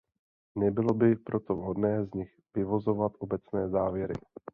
Nebylo by proto vhodné z nich vyvozovat obecné závěry.